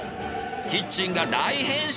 キッチンが大変身！